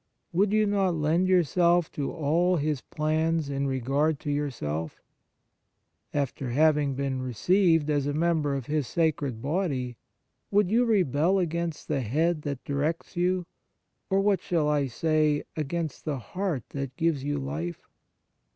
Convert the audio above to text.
Would you not lend yourself to all His plans in regard to your self ? After having been received as a member of His sacred body, would you rebel against the head that directs you, or — what shall I say ?— against the heart that gives you life